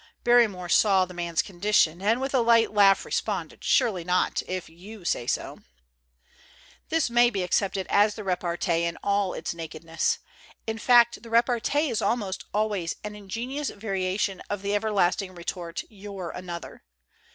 Barrymore saw the man's con dition, and with a light laugh responded, " Surely not if you say so !" This may be accepted as the repartee in all its nakedness. In fact, the repartee is almost always an ingenious variation of the everlasting retort, "You're another!"